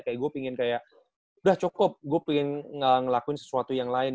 kayak gue pengen kayak udah cukup gue pengen ngelakuin sesuatu yang lain